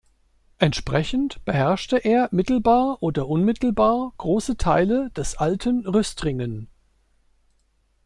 Entsprechend beherrschte er mittelbar oder unmittelbar große Teile des alten Rüstringen.